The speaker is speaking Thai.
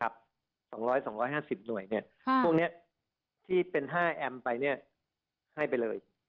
พวกนี้ที่เป็น๕เอมไปให้ไปเลย